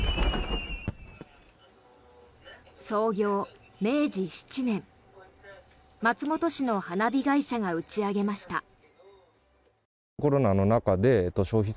創業明治７年松本市の花火会社が打ち上げました。